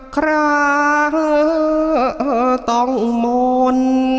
คล้างต้องมนต์